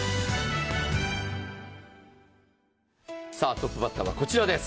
トップバッターはこちらです。